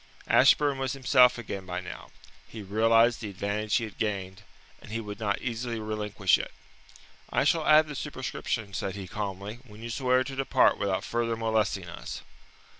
Ashburn was himself again by now. He realized the advantage he had gained, and he would not easily relinquish it. "I shall add the superscription," said he calmly, "when you swear to depart without further molesting us."